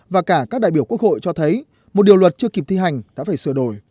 và cả các đại biểu quốc hội cho thấy một điều luật chưa kịp thi hành đã phải sửa đổi